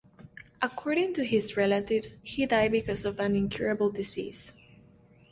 According to his relatives he died because of an incurable disease.